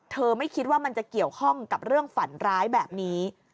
ไม่คิดว่ามันจะเกี่ยวข้องกับเรื่องฝันร้ายแบบนี้